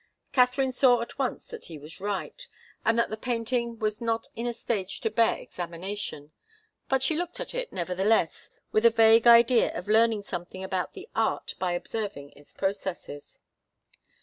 Katharine saw at once that he was right, and that the painting was not in a stage to bear examination, but she looked at it, nevertheless, with a vague idea of learning something about the art by observing its processes.